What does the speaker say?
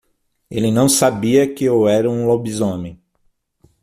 Ele não sabia que eu era um lobisomem